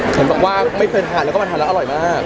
เห็นบอกว่าไม่เคยทานแล้วก็มาทานแล้วอร่อยมาก